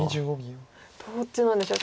どっちなんでしょう。